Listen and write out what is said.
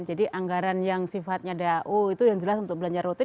jadi anggaran yang sifatnya dau itu yang jelas untuk belanja rutin